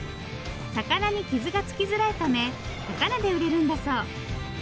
魚に傷がつきづらいため高値で売れるんだそう。